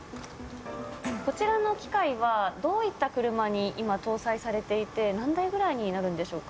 こちらの機械は、どういった車に今、搭載されていて、何台ぐらいになるんでしょうか。